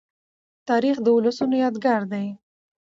تاریخ د ولسونو یادګار دی.